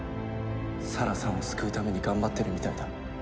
沙羅さんを救うために頑張ってるみたいだ。